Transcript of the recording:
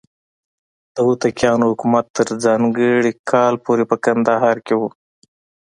د هوتکیانو حکومت تر ځانګړي کال پورې په کندهار کې و.